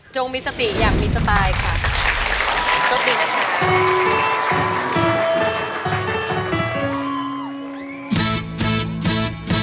โจมิสติอยากมีสไตล์ค่ะ